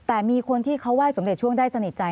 แต่มีคนที่เขาไห้สมเด็จช่วงได้สนิทใจ